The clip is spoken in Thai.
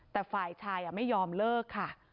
แต่ฝ่ายชายไม่ยอมเลิกค่ะ